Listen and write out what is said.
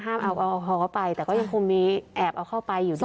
ห้ามเอาออกไปแต่ก็ยังคงมีแอบเอาเข้าไปอยู่ดี